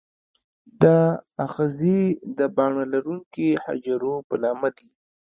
دا آخذې د باڼه لرونکي حجرو په نامه دي.